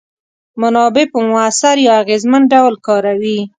منابع په موثر یا اغیزمن ډول کاروي.